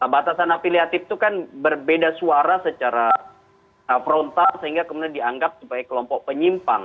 batasan afiliatif itu kan berbeda suara secara frontal sehingga kemudian dianggap sebagai kelompok penyimpang